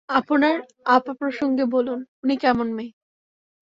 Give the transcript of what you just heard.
আপনার আপা প্রসঙ্গে বলুন, উনি কেমন মেয়ে?